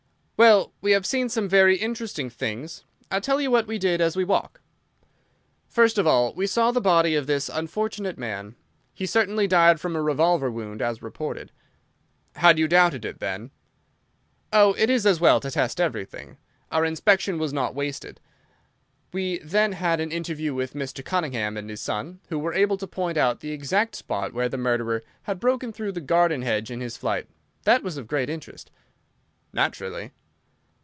"Well, we have seen some very interesting things. I'll tell you what we did as we walk. First of all, we saw the body of this unfortunate man. He certainly died from a revolver wound as reported." "Had you doubted it, then?" "Oh, it is as well to test everything. Our inspection was not wasted. We then had an interview with Mr. Cunningham and his son, who were able to point out the exact spot where the murderer had broken through the garden hedge in his flight. That was of great interest." "Naturally."